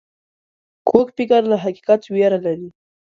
کوږ فکر له حقیقت ویره لري